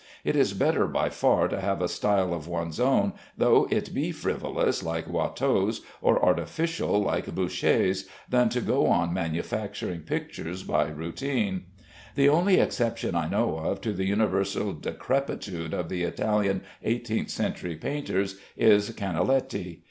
It is better by far to have a style of one's own, though it be frivolous like Watteau's, or artificial like Boucher's, than to go on manufacturing pictures by routine. The only exception I know of to the universal decrepitude of the Italian eighteenth century painters is Canaletti.